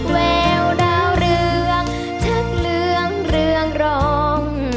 แววดาวเรืองทั้งเรืองเรืองรอ่ม